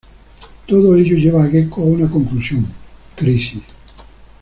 Todo ello lleva a Gekko a una conclusión: crisis.